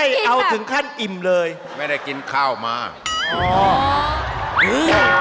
เฮ้กำลังกินยำกะสังดูครับแม่